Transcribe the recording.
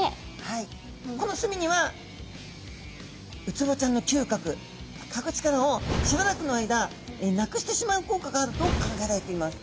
この墨にはウツボちゃんのきゅうかくかぐ力をしばらくの間なくしてしまう効果があると考えられています。